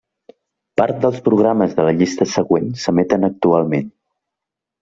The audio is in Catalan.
Part dels programes de la llista següent, s'emeten actualment.